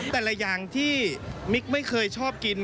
แต่ละอย่างที่มิ๊กไม่เคยชอบกิน